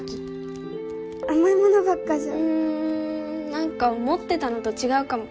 何か思ってたのと違うかも